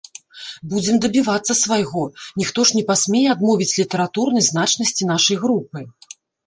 Будзем дабівацца свайго, ніхто ж не пасмее адмовіць літаратурнай значнасці нашай групы.